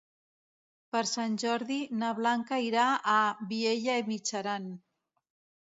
Per Sant Jordi na Blanca irà a Vielha e Mijaran.